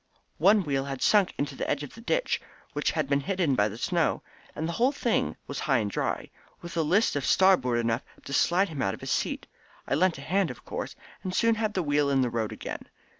One wheel had sunk into the edge of the ditch which had been hidden by the snow, and the whole thing was high and dry, with a list to starboard enough to slide him out of his seat. I lent a hand, of course, and soon had the wheel in the road again.